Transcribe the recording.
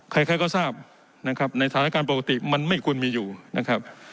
ใครใครก็ทราบนะครับในสถานการณ์ปกติมันไม่ควรมีอยู่นะครับ